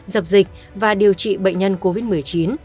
dập dịch và điều trị bệnh nhân covid một mươi chín